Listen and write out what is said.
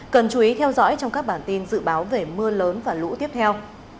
cần chú ý theo dõi trong các bản tin dự báo về mưa lớn và lũ tiếp theo